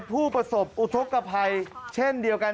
ผู้ประสบอุทธกภัยเช่นเดียวกัน